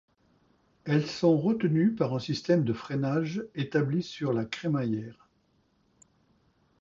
Elles sont retenues par un système de freinage établi sur la crémaillère.